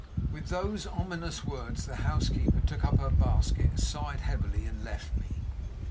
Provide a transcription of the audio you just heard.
With those ominous words the housekeeper took up her basket, sighed heavily, and left me.